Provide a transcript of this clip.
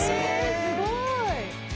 すごい！